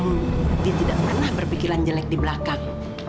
dia tidak pernah berpikiran jelek di belakang